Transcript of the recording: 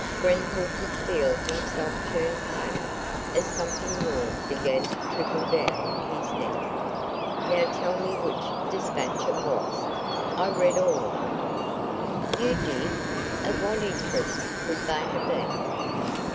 Grenfall could feel himself turn pale as something warm began to trickle down his neck. "Now tell me which despatch it was. I read all of them." "You did? Of what interest could they have been?"